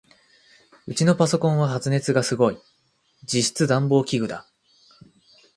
ウチのパソコンは発熱がすごい。実質暖房器具だ。